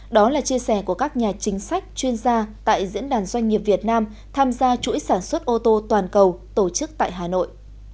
đó là chia sẻ của các nhà chính sách chuyên gia tại diễn đàn doanh nghiệp việt nam tham gia chuỗi sản xuất ô tô toàn cầu tổ chức tại hà nội